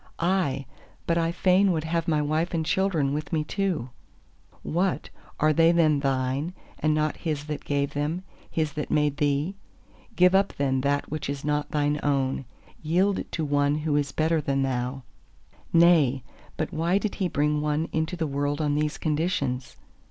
—"Aye, but I fain would have my wife and children with me too."—What, are they then thine, and not His that gave them—His that made thee? Give up then that which is not thine own: yield it to One who is better than thou. "Nay, but why did He bring one into the world on these conditions?"